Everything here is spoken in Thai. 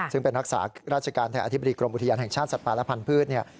ซึ่งเป็นรักษาราชการแทนอธิบดีกรมอุทยานแห่งชาติสัตว์ป่าและพันธุ์